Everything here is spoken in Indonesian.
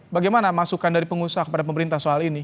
bagaimana masukan dari pengusaha kepada pemerintah soal ini